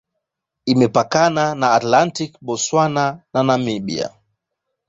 Imepakana na Atlantiki, Botswana na Namibia.